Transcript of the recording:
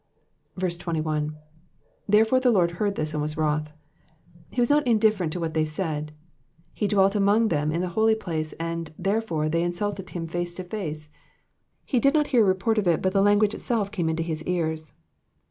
21. ^''Therefore the Lord heard this, and toas wroth,'*'* He was not indifferent to what they said. He dwelt among them in the holy place, and, therefore, they insulted him to his face. He did not hear a report of it, but the language itself came into his ears.